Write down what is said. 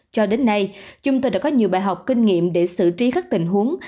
cho đến nay chúng tôi đã có nhiều bài học kinh nghiệm để xử trí các tình huống